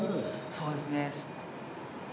そうですね。